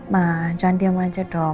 ma jangan diam aja dong